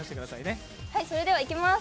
それではいきます、